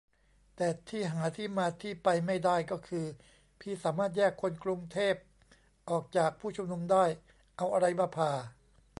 แต่ที่หาที่มาที่ไปไม่ได้ ก็คือ พี่สามารถแยกคนกรุงเทพออกจากผู้ชุมนุมได้ ! ? เอาอะไรมาผ่า ?